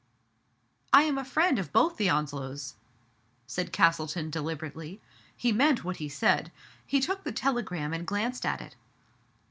*' I am a friend of both the Onslows," said Cas tleton deliberately. He meant what he said. He took the telegram and glanced at it.